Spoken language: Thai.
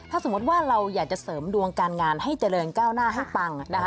ถ้าสมมติว่าเราอยากจะเสริมดวงการงานให้เจริญก้าวหน้าให้ปังนะคะ